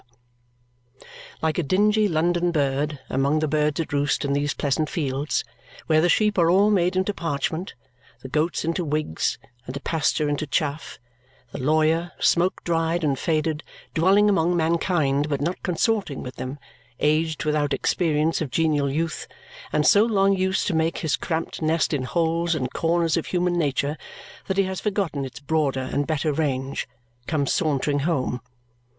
Like a dingy London bird among the birds at roost in these pleasant fields, where the sheep are all made into parchment, the goats into wigs, and the pasture into chaff, the lawyer, smoke dried and faded, dwelling among mankind but not consorting with them, aged without experience of genial youth, and so long used to make his cramped nest in holes and corners of human nature that he has forgotten its broader and better range, comes sauntering home.